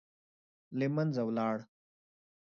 له منځه ولاړ.